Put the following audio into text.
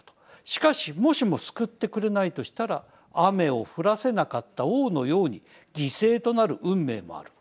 しかしもしも救ってくれないとしたら雨を降らせなかった王のように犠牲となる運命もある。